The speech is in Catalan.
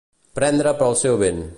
Prendre pel seu vent.